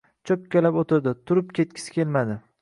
Choʻkkalab oʻtirdi. Turib ketgisi kelmadi.